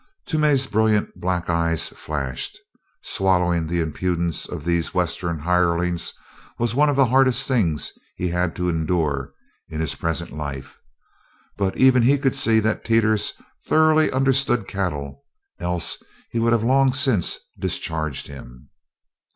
Toomey's brilliant black eyes flashed. Swallowing the impudence of these western hirelings was one of the hardest things he had to endure in his present life. But even he could see that Teeters thoroughly understood cattle, else he would have long since discharged him.